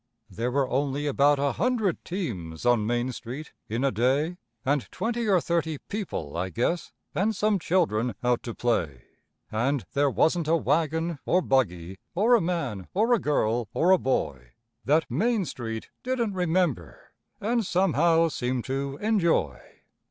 There were only about a hundred teams on Main Street in a day, And twenty or thirty people, I guess, and some children out to play. And there wasn't a wagon or buggy, or a man or a girl or a boy That Main Street didn't remember, and somehow seem to enjoy.